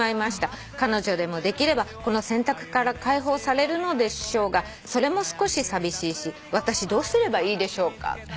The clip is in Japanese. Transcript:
「彼女でもできればこの洗濯から解放されるのでしょうがそれも少し寂しいし私どうすればいいでしょうか」